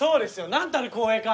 なんたる光栄か。